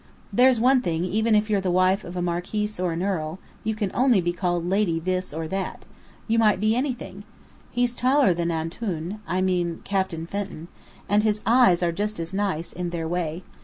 There's one thing, even if you're the wife of a marquis or an earl, you can only be called 'Lady' This or That. You might be anything. He's taller than Antoun I mean, Captain Fenton. And his eyes are just as nice in their way.